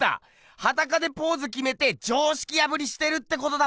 はだかでポーズ決めて常識破りしてるってことだ